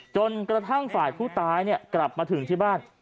จนกระทั่งฝ่ายผู้ตายกลับมาถึงที่บ้าน